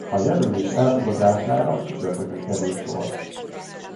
A jelölés elfogadására csütörtökön került sor.